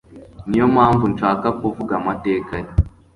niyo mpamvu nshaka kuvuga amateka ye